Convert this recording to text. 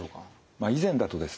まあ以前だとですね